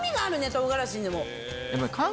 唐辛子にも。